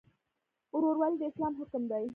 ورورولي د اسلام حکم دی